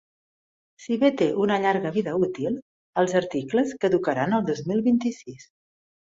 Si bé té una llarga vida útil, els articles caducaran el dos mil vint-i-sis.